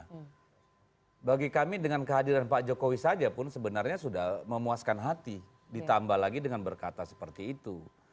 nah bagi kami dengan kehadiran pak jokowi saja pun sebenarnya sudah memuaskan hati ditambah lagi dengan berkata seperti itu